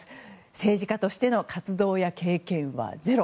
政治家としての活動や経験はゼロ。